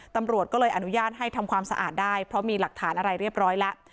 ตำรวจก็เลยอนุญาตให้ทำความสะอาดได้เพราะมีหลักฐานอะไรเรียบร้อยแล้ว